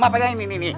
mak pegang ini nih nih